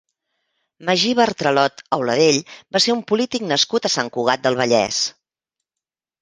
Magí Bartralot Auladell va ser un polític nascut a Sant Cugat del Vallès.